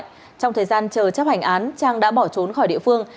trong thời gian chờ chấp hành án trang đã bỏ trốn khỏi địa phương